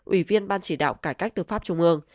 ủy viên ban chỉ đạo cải cách tư pháp trung ương